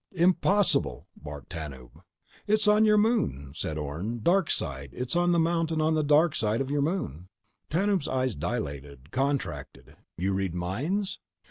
_ "Impossible!" barked Tanub. "It's on your moon," said Orne. "Darkside. It's on a mountain on the darkside of your moon." Tanub's eyes dilated, contracted. "You read minds?"